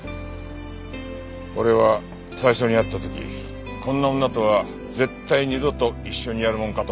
俺は最初に会った時こんな女とは絶対二度と一緒にやるもんかと思った。